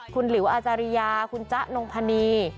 คุณหลิวอาจาริยาคุณจ๊ะนงพนี